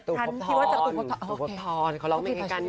ตู่พบทรตู่พบทรเขาร้องเมฆกัน